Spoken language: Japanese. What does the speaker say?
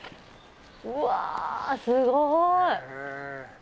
うわすごい。